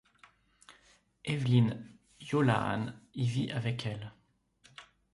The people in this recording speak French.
Evelyn Holahan y vit avec elle.